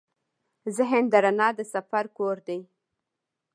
ذهن د رڼا د سفر کور دی.